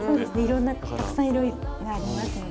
いろんなたくさん色がありますので。